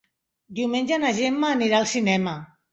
Diumenge na Gemma irà al cinema.